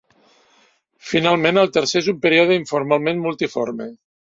Finalment, el tercer és un període informalment multiforme.